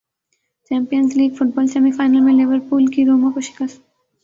champions League football semi final میں Liverpool کی روما کو شکست